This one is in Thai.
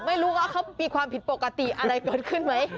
ไม่รู้ว่าเขามีความผิดปกติอะไรเกิดขึ้นไหม